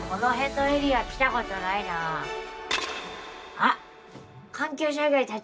あっ！